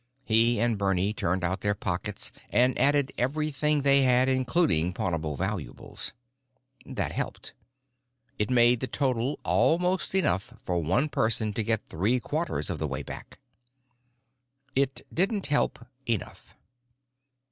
He and Bernie turned out their pockets and added everything they had, including pawnable valuables. That helped. It made the total almost enough for one person to get three quarters of the way back. It didn't help enough.